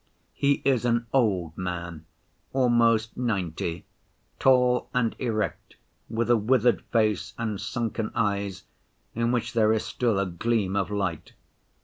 He is an old man, almost ninety, tall and erect, with a withered face and sunken eyes, in which there is still a gleam of light.